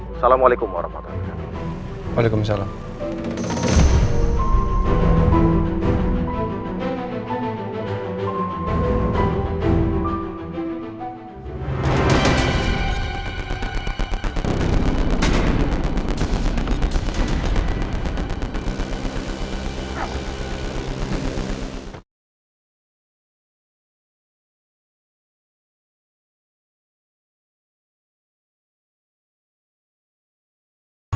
assalamualaikum warahmatullahi wabarakatuh